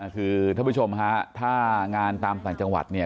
คุณผู้ชมค่ะถ้างานตามฝั่งจังหวัดเนี่ย